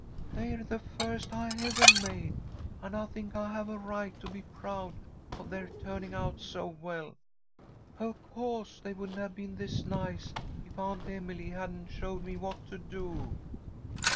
They're the first I evah made, and I think I have a right to be proud of their turning out so well. Of co'se they wouldn't have been this nice if Aunt Emily hadn't showed me what to do."